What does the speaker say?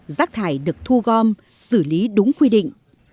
rác thải được thu gom xử lý đúng quy định